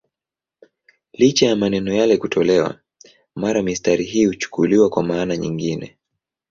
Licha ya maneno yale kutolewa, mara mistari hii huchukuliwa kwa maana nyingine.